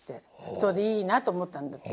それでいいなと思ったんだって。